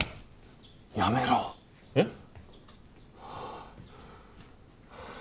やめろ！え？